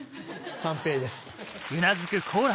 三平です。